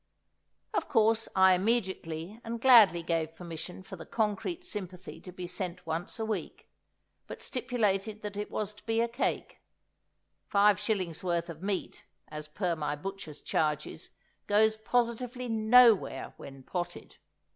Of course I immediately and gladly gave permission for the concrete sympathy to be sent once a week, but stipulated that it was to be a cake; five shillings' worth of meat, as per my butcher's charges, goes positively nowhere when "potted."